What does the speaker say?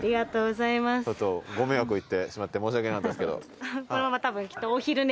ご迷惑を言ってしまって申し訳なかったですけど。